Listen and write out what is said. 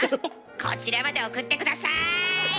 こちらまで送って下さい。